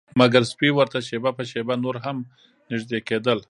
مګر سپي ورته شیبه په شیبه نور هم نږدې کیدل